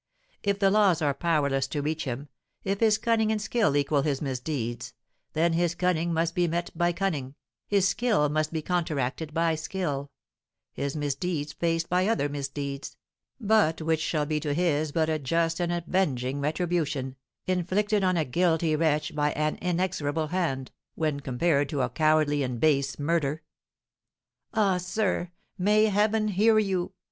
If the laws are powerless to reach him, if his cunning and skill equal his misdeeds, then his cunning must be met by cunning, his skill must be counteracted by skill, his misdeeds faced by other misdeeds, but which shall be to his but a just and avenging retribution, inflicted on a guilty wretch by an inexorable hand, when compared to a cowardly and base murder." "Ah, sir, may Heaven hear you!